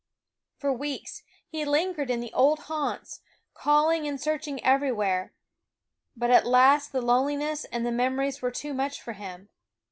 For weeks he lingered in the old haunts, calling and searching everywhere ; but at last the lone liness and the memories were too much for him.